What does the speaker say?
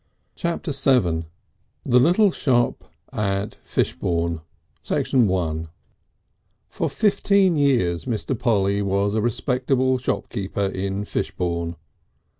Chapter the Seventh The Little Shop at Fishbourne I For fifteen years Mr. Polly was a respectable shopkeeper in Fishbourne.